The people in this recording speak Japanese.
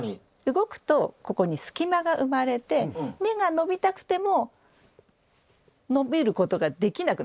動くとここに隙間が生まれて根が伸びたくても伸びることができなくなってしまう。